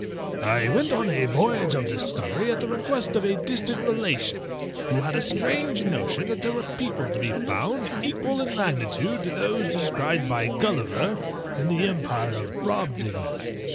I went on a voyage of discovery at the request of a distant relation, who had a strange notion that there were people to be found equal in magnitude to those described by Gulliver in the empire of BROBDIGNAG.